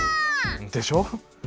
でしょ！